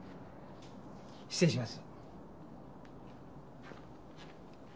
失礼します。